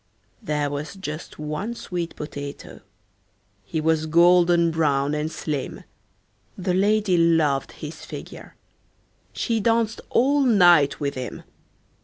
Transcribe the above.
"There was just one sweet potato. He was golden brown and slim: The lady loved his figure. She danced all night with him.